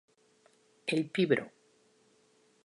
El Pbro.